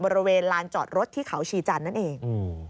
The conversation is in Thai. บริเวณลานจอดรถที่เขาชีจันทร์นั่นเอง